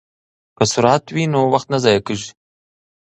که سرعت وي نو وخت نه ضایع کیږي.